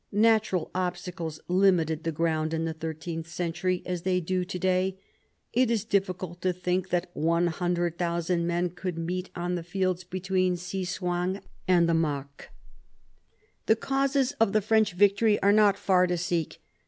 Natural obstacles limited the ground in the thirteenth century as they do to day. It is difficult to think that 100,000 men could meet on the fields between Cysoing and the Marcq. iv BOUVINES 109 The causes of the French victory are not far to seek.